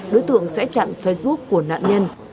đối tượng sẽ chặn facebook của nạn nhân